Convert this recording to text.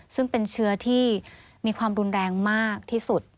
ซึ่งเป็นเชื้อที่มีความรุนแรงมากที่สุด